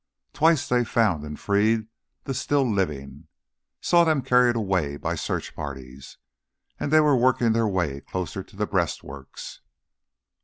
Twice they found and freed the still living, saw them carried away by search parties. And they were working their way closer to the breastworks.